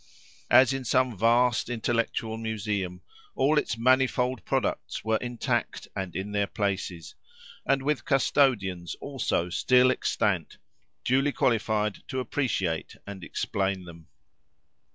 As in some vast intellectual museum, all its manifold products were intact and in their places, and with custodians also still extant, duly qualified to appreciate and explain them.